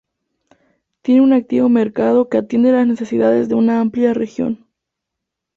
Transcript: Tiene un activo mercado que atiende las necesidades de una amplia región.